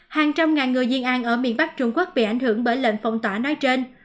hàng trăm ngàn người diê an ở miền bắc trung quốc bị ảnh hưởng bởi lệnh phong tỏa nói trên